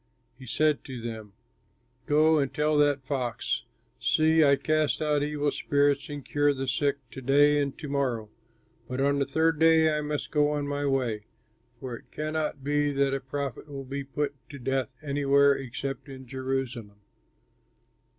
He said to them, "Go and tell that fox, 'See, I cast out evil spirits and cure the sick to day and to morrow, but on the third day I must go on my way; for it cannot be that a prophet will be put to death anywhere except in Jerusalem.'"